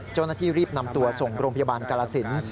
เจ้าหน้าที่รีบนำตัวส่งโรงพยาบาลกาลสิน